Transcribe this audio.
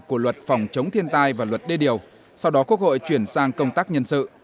của luật phòng chống thiên tai và luật đê điều sau đó quốc hội chuyển sang công tác nhân sự